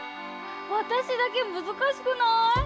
わたしだけむずかしくない？